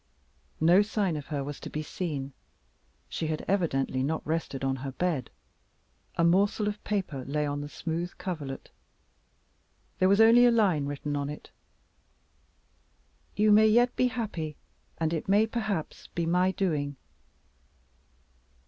No sign of her was to be seen. She had evidently not rested on her bed. A morsel of paper lay on the smooth coverlet. There was only a line written on it: "You may yet be happy and it may perhaps be my doing."